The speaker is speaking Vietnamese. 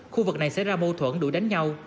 khu vực này xảy ra mâu thuẫn đuổi đánh nhau